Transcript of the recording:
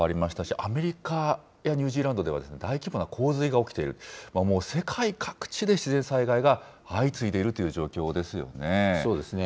アメリカやニュージーランドでは大規模な洪水が起きている、もう世界各地で自然災害が相そうですね。